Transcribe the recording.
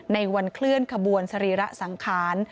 ในวันเคลื่อนขบวนสรีระสังขาร